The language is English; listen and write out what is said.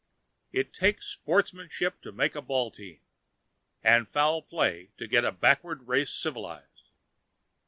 ] It takes sportsmanship to make a ball team ... and foul play to get a backward race civilized!